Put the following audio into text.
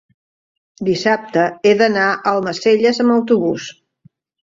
dissabte he d'anar a Almacelles amb autobús.